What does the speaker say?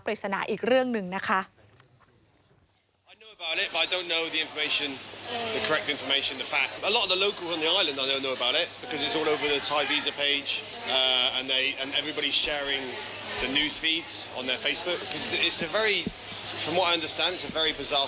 ปริศนาอีกเรื่องหนึ่งนะคะ